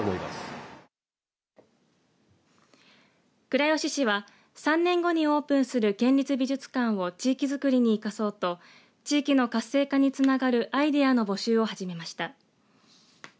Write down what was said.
倉吉市は、３年後にオープンする県立美術館を地域づくりに生かそうと地域の活性化につながるアイデアの募集を始めました。